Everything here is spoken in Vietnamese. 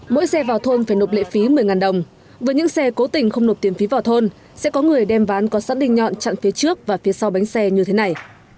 mỗi xe vào thôn phải nộp lệ phí một mươi đồng với những xe cố tình không nộp tiền phí vào thôn sẽ có người đem ván có sẵn đình nhọn chặn phía trước và phía sau bánh xe như thế này